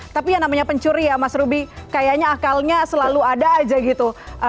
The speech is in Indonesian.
tapi yang namanya pencuri ya mas ruby kayaknya akalnya selalu ada aja gitu